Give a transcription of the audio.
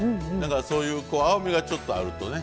そういう青みがちょっとあるとね。